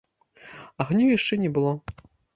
Агню яшчэ не было.